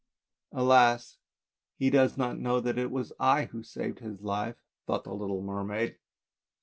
"" Alas! he does not know that it was I who saved his life," thought the little mermaid.